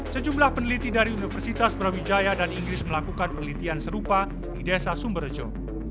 sejumlah peneliti dari universitas brawijaya dan inggris melakukan penelitian serupa di desa sumberjo